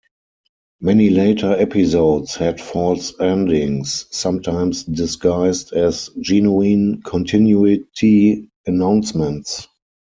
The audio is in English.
Many later episodes had false endings, sometimes disguised as genuine continuity announcements.